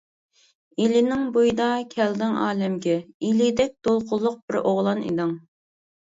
ئىلىنىڭ بويىدا كەلدىڭ ئالەمگە، ئىلىدەك دولقۇنلۇق بىر ئوغلان ئىدىڭ.